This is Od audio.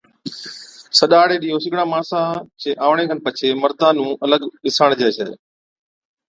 سڏا هاڙي ڏِيئو سِگڙان ماڻسان چي آوڻي کن پڇي مردان نُون الڳ ٻِساڻجي ڇَي،